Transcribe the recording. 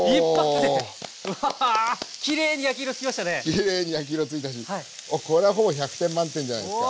きれいに焼き色ついたしこれはほぼ１００点満点じゃないですか？